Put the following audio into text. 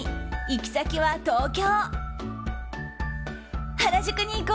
行き先は東京。